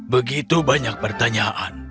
begitu banyak pertanyaan